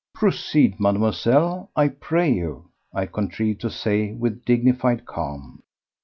"Proceed, Mademoiselle, I pray you," I contrived to say with dignified calm.